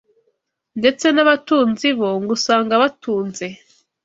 ndetse n’abatunzi bo ngo usanga batunze